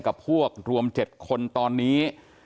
กับพวกรวม๗คนตอนนี้